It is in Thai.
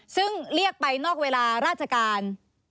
ซึ่งเรียกไปนอกเวลาราชการ